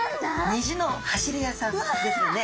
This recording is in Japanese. にじの走り屋さんですね。